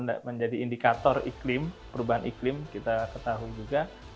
ini menjadi indikator iklim perubahan iklim kita ketahui juga